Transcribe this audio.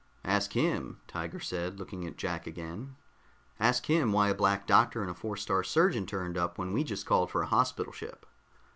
"Ask him," Tiger said, looking at Jack again. "Ask him why a Black Doctor and a Four star Surgeon turned up when we just called for a hospital ship."